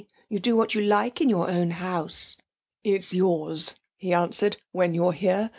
You do what you like in your own house.' 'It's yours,' he answered, 'when you're here.